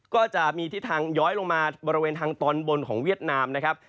ก็จะมีทิศทางย้อยลงมาบริเวณทางตอนบนของเวียดนามนะครับ